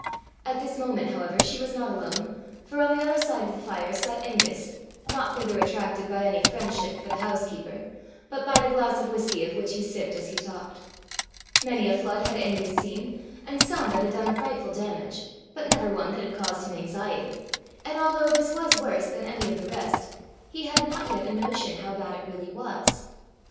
At this moment, however, she was not alone, for on the other side of the fire sat Angus, not thither attracted by any friendship for the housekeeper, but by the glass of whisky of which he sipped as he talked. Many a flood had Angus seen, and some that had done frightful damage, but never one that had caused him anxiety; and although this was worse than any of the rest, he had not yet a notion how bad it really was.